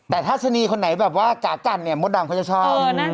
แต่ทัศนีคนไหนแบบว่ากากันเนี่ยมดดำเขาจะชอบ